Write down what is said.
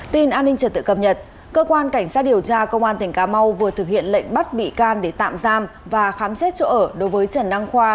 tin an ninh trật tự cập nhật cơ quan cảnh sát điều tra công an tỉnh cà mau vừa thực hiện lệnh bắt bị can để tạm giam và khám xét chỗ ở đối với trần đăng khoa